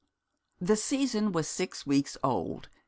The season was six weeks old.